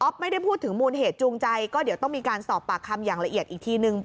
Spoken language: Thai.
ไม่ได้พูดถึงมูลเหตุจูงใจก็เดี๋ยวต้องมีการสอบปากคำอย่างละเอียดอีกทีนึง